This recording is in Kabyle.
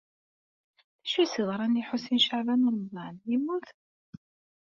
D acu ay as-yeḍran i Lḥusin n Caɛban u Ṛemḍan? Yemmut?